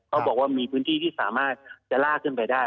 เขาบอกว่ามีพื้นที่ที่สามารถจะลากขึ้นไปได้